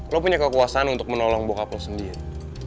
lo punya kekuasaan untuk menolong bokap lo sendiri